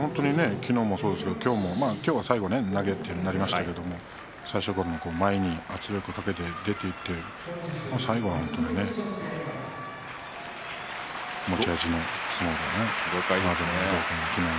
昨日もそうですが今日は最後は投げになりましたけれども前に圧力をかけて出ていって最後は持ち味の相撲ですね。